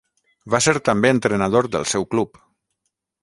Va ser també entrenador del seu club.